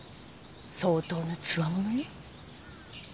相当なつわものよ。